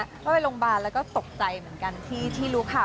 เข้าไปโรงพยาบาลแล้วก็ตกใจเหมือนกันที่รู้ข่าว